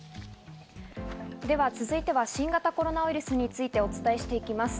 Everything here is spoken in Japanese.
では続いては、新型コロナウイルスについてお伝えしていきます。